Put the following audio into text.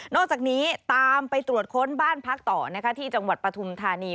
อกจากนี้ตามไปตรวจค้นบ้านพักต่อนะคะที่จังหวัดปฐุมธานี